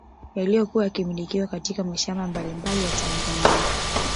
Yaliyokuwa yakilimwa katika mashamba mbalimbali ndani ya Tanzania